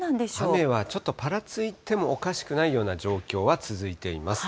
雨はちょっとぱらついてもおかしくないような状況は続いています。